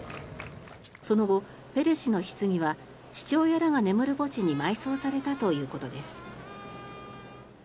その後、ペレ氏のひつぎは父親らが眠る墓地に埋葬されたということです。